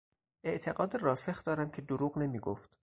اعتقاد راسخ دارم که دروغ نمیگفت.